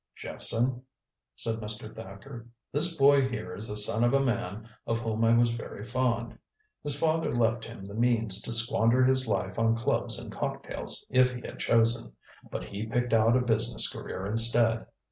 "Jephson," said Mr. Thacker, "this boy here is the son of a man of whom I was very fond. His father left him the means to squander his life on clubs and cocktails if he had chosen but he picked out a business career instead.